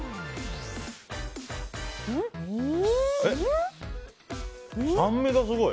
え、酸味がすごい！